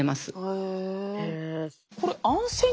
へえ。